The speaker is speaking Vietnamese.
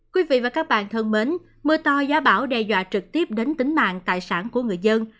quý vị và các bạn thân mến mưa to gió bão đe dọa trực tiếp đến tính mạng tài sản của người dân